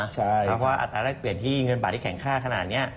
เพราะว่าอัตราแรกเปลี่ยนที่เงินบาทที่แข็งค่าขนาดนี้